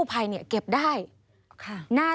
สวัสดีค่ะสวัสดีค่ะ